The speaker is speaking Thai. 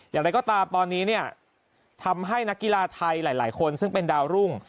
อย่างไรก็ตามตอนนี้เนี่ยทำให้นักกีฬาไทยหลายคนซึ่งเป็นดาวรุ่ง